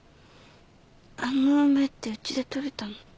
あの梅ってうちでとれたの？